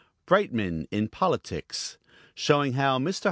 BREITMANN IN POLITICS SHOWING HOW MR.